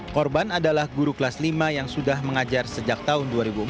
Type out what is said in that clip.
korban adalah guru kelas lima yang sudah mengajar sejak tahun dua ribu empat